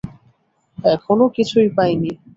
এখনো কিছুই পাইনি।